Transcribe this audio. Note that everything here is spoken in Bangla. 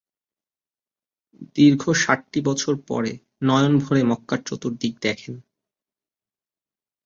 দীর্ঘ সাতটি বছর পরে নয়ন ভরে মক্কার চতুর্দিক দেখেন।